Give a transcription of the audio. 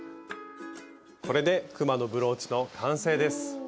これでくまのブローチの完成です！